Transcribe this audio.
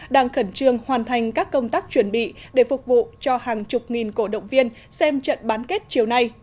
đang khẩn trương hoàn thành các công tác chuẩn bị để phục vụ cho hàng chục nghìn cổ động viên xem trận bán kết chiều nay